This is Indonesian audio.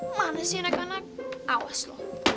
mana sih nak kena awas lo